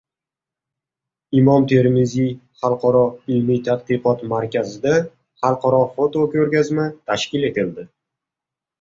Imom Termiziy xalqaro ilmiy-tadqiqot markazida xalqaro foto ko‘rgazma tashkil etildi